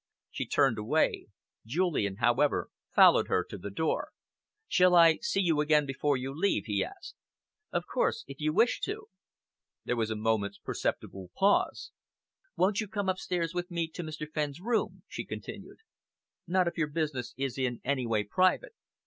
She turned away. Julian, however, followed her to the door. "Shall I see you again before you leave?" he asked. "Of course if you wish to." There was a moment's perceptible pause. "Won't you come upstairs with me to Mr. Fenn's room?" she continued. "Not if your business is in any way private."